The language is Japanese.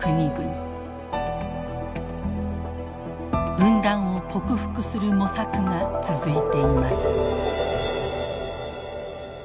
分断を克服する模索が続いています。